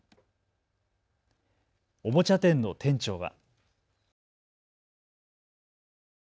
おもちゃ店の店長は。